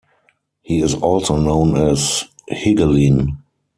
He is also known as Higelin.